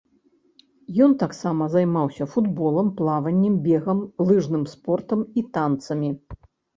Ён таксама займаўся футболам, плаваннем, бегам, лыжным спортам і танцамі.